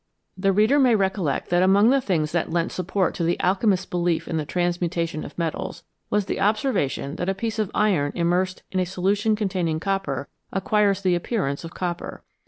The reader may recollect that among the things that lent support to the alchemists'* belief in the transmutation of metals was the observation that a piece of iron im mersed in a solution containing copper acquires the appearance of copper.